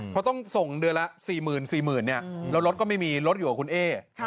เขาต้องส่งเดือนละ๔๐๐๔๐๐๐เนี่ยแล้วรถก็ไม่มีรถอยู่กับคุณเอ๊